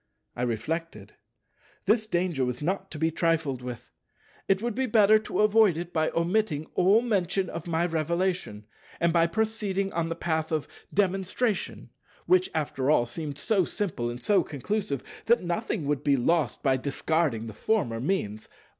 I reflected. This danger was not to be trifled with. It would be better to avoid it by omitting all mention of my Revelation, and by proceeding on the path of Demonstration—which after all, seemed so simple and so conclusive that nothing would be lost by discarding the former means.